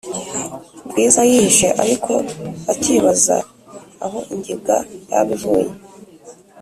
bwiza yihishe ariko acyibaza aho ingiga yaba ivuye.